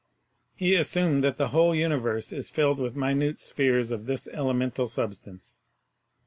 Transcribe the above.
He assumed that the whole universe is filled with minute spheres of this elemental substance.